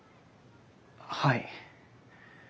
はい。